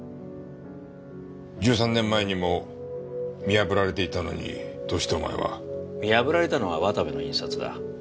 １３年前にも見破られていたのにどうしてお前は。見破られたのは渡部の印刷だ。